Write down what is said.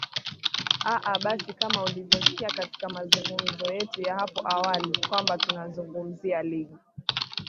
aa basi kama ulivyosikia katika mazungumzo yetu ya hapo awali kwamba tunazungumzia ligi